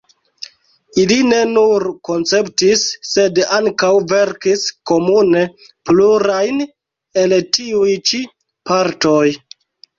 Ili ne nur konceptis, sed ankaŭ verkis komune plurajn el tiuj ĉi partoj.